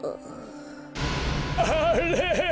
あれ！